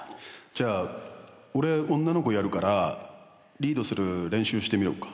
じゃあ俺女の子やるからリードする練習してみようか。